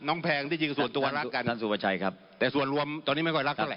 น้องแพงที่จริงส่วนตัวรักกันแต่ส่วนรวมตอนนี้ไม่ค่อยรักเท่าไหร่